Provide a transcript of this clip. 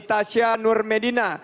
tasya nur medina